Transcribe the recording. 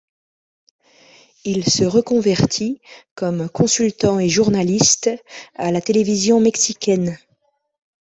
Il se reconvertit comme consultant et journaliste à la télévision mexicaine.